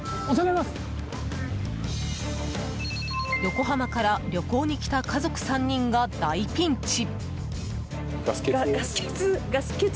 横浜から旅行に来た家族３人が大ピンチ！